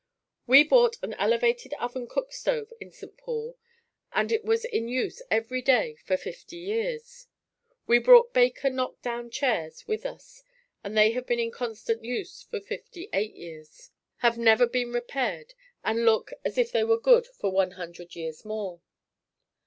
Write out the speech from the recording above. We bought an elevated oven cook stove in St. Paul and it was in use every day for fifty years. We brought Baker knock down chairs with us and they have been in constant use for fifty eight years have never been repaired and look as if they were good for one hundred years more.